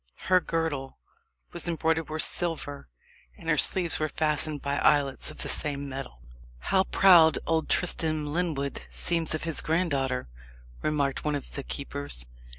Her girdle was embroidered with silver, and her sleeves were fastened by aiglets of the same metal. "How proud old Tristram Lyndwood seems of his granddaughter," remarked one of the keepers.